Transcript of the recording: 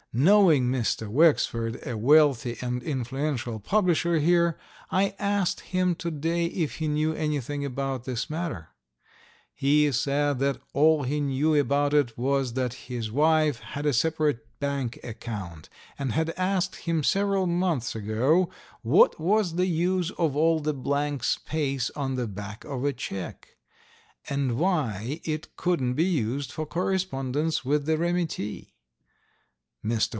Knowing Mr. Wexford, a wealthy and influential publisher here, I asked him to day if he knew anything about this matter. He said that all he knew about it was that his wife had a separate bank account, and had asked him several months ago what was the use of all the blank space on the back of a check, and why it couldn't be used for correspondence with the remittee. Mr.